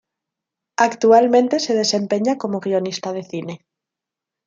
Actualmente se desempeña como guionista de cine.